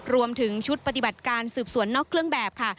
รวมถึงชุดปฏิบัติการสืบสวนนอกเครื่องแบบค่ะ